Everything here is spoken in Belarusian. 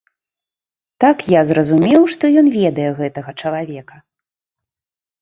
Так я зразумеў, што ён ведае гэтага чалавека.